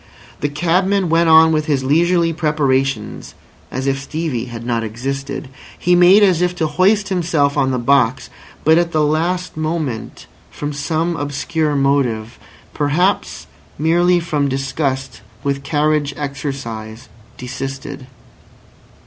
The cabman went on with his leisurely preparations as if Stevie had not existed. He made as if to hoist himself on the box, but at the last moment from some obscure motive, perhaps merely from disgust with carriage exercise, desisted.